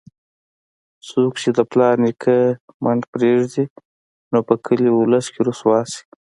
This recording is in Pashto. څوک چې د پلار نیکه منډ پرېږدي، نو په کلي اولس کې رسوا شي.